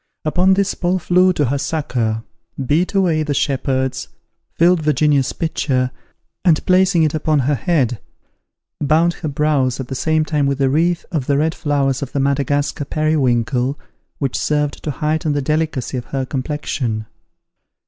Upon this Paul flew to her succour, beat away the shepherds, filled Virginia's pitcher, and placing it upon her heard, bound her brows at the same time with a wreath of the red flowers of the Madagascar periwinkle, which served to heighten the delicacy of her complexion.